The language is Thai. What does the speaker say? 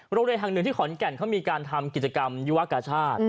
โรงเรียนแห่งหนึ่งที่ขอนแก่นเขามีการทำกิจกรรมยุวกาชาติ